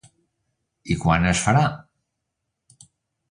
I quan es farà?